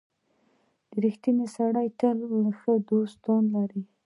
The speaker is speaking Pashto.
• رښتینی سړی تل ښه دوستان لري.